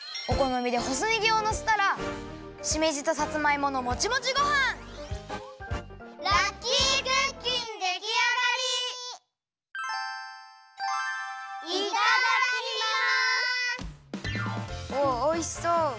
おおおいしそう！